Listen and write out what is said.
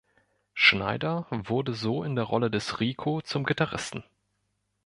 Schneider wurde so in der Rolle des "Rico" zum Gitarristen.